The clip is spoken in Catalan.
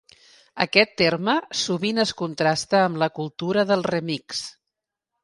Aquest terme sovint es contrasta amb la cultura del remix.